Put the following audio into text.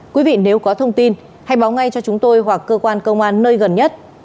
quý vị nếu có thông tin hãy báo ngay cho chúng tôi hoặc cơ quan công an nơi gần nhất